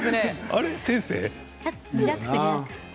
あれ、先生？